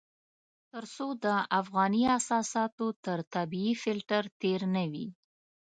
تر څو د افغاني اساساتو تر طبيعي فلټر تېر نه وي.